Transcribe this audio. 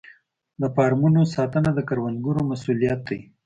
د فارمونو ساتنه د کروندګر مسوولیت دی.